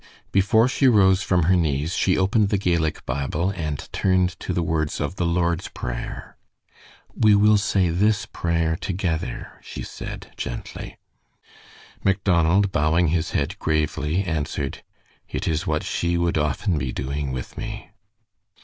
Before she rose from her knees she opened the Gaelic Bible, and turned to the words of the Lord's Prayer. "We will say this prayer together," she said, gently. Macdonald, bowing his head gravely, answered: "It is what she would often be doing with me."